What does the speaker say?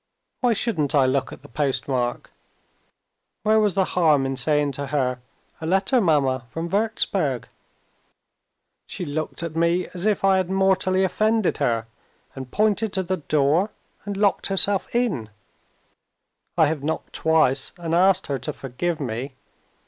Why shouldn't I look at the postmark? Where was the harm in saying to her, 'A letter, mamma, from Wurzburg'? She looked at me as if I had mortally offended her and pointed to the door, and locked herself in. I have knocked twice, and asked her to forgive me.